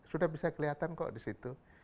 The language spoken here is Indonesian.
sudah bisa kelihatan kok disitu